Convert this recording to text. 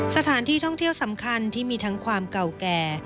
สถานที่ท่องเที่ยวสำคัญที่มีทั้งความเก่าแก่